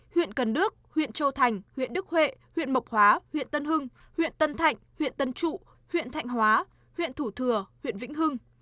huyện cần đước huyện châu thành huyện đức huệ huyện mộc hóa huyện tân hưng huyện tân thạnh huyện tân trụ huyện thạnh hóa huyện thủ thừa huyện vĩnh hưng